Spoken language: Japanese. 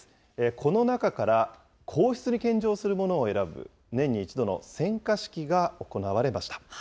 この中から、皇室に献上するものを選ぶ年に１度の選果式が行われました。